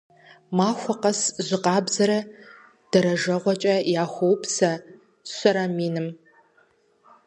Махуэ къэс жьы къабзэрэ дэрэжэгъуэкӀэ яхуоупсэ щэрэ миным.